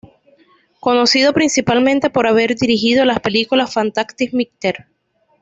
Conocido principalmente por haber dirigido las películas: "Fantastic Mr.